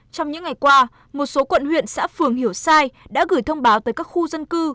trong những ngày qua một số quận huyện xã phường hiểu sai đã gửi thông báo tới các khu dân cư